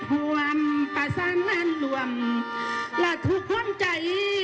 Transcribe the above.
ห่วงประสานนั้นร่วมและทุกของใจ